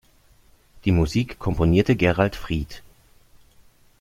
Die Musik komponierte Gerald Fried.